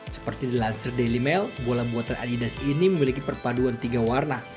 seperti di lansir daily mail bola buatan adidas ini memiliki perpaduan tiga warna